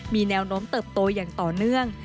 มีแนวโน้มเติบโตอย่างต่อเนื่อง